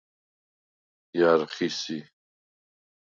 ჲა̈რ ხი სი?